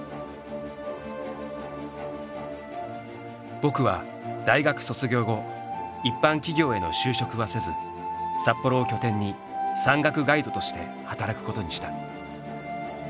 「僕」は大学卒業後一般企業への就職はせず札幌を拠点に山岳ガイドとして働くことにした。